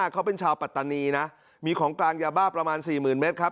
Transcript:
เขาเป็นชาวปัตตานีนะมีของกลางยาบ้าประมาณ๔๐๐๐เมตรครับ